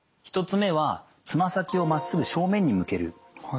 １つ目はつま先をまっすぐ正面に向ける。